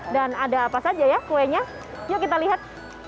dan ada apa saja ya kuenya yuk kita lihat